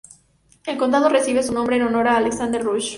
El condado recibe su nombre en honor a Alexander Rush.